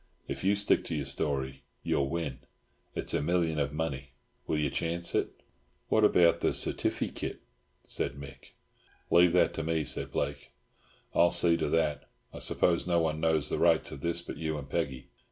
If you stick to your story you will win. It's a million of money. Will you chance it?" "What about the sertiffykit?" said Mick. "Leave that to me," said Blake. "I'll see to that. I suppose no one knows the rights of this but you and Peggy!"